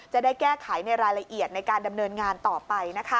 จะได้แก้ไขในรายละเอียดในการดำเนินงานต่อไปนะคะ